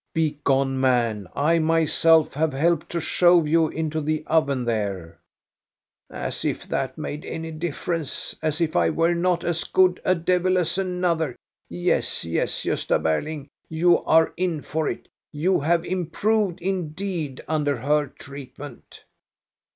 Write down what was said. " "Begone, man! I myself have helped to shove you into the oven there. "" As if that made any difference ; as if I were not as good a devil as another. Yes, yes, Gosta Berling, you are in for it. You have improved, indeed, under her treatment.